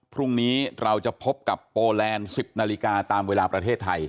พรุ่งนี้เราจะพบกับโปแลนด์๑๐นาฬิกาตามเวลาประเทศไทย